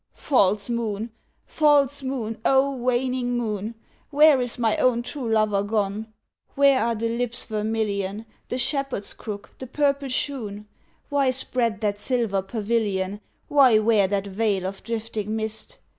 False moon! False moon! O waning moon! Where is my own true lover gone, Where are the lips vermilion, The shepherd's crook, the purple shoon? Why spread that silver pavilion, Why wear that veil of drifting mist?